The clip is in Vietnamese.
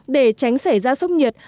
để tránh xảy ra sốc nhiệt